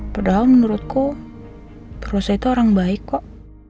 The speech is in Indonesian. padahal menurutku rosa itu orang baik kok